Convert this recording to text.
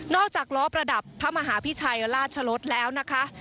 จากล้อประดับพระมหาพิชัยราชรสแล้วนะคะ